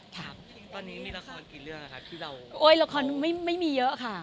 ตอนนี้มีละครกี่เรื่องค่ะที่เรา